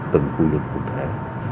của khu vực cụ thể